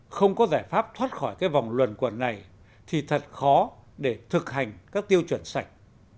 không có giải pháp thoát khỏi cái vòng luẩn quẩn này thì thật khó để thực hành các tiêu chuẩn sạch